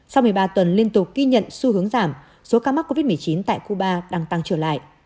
sau một mươi ba tuần liên tục ghi nhận xu hướng giảm số ca mắc covid một mươi chín tại cuba đang tăng trở lại